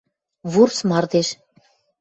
Вурс мардеж